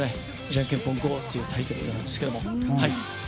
「ジャンケンポンＧＯ！！」というタイトルなんですけど。